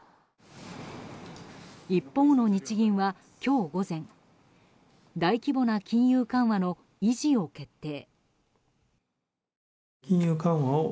一方の日銀は今日午前大規模な金融緩和の維持を決定。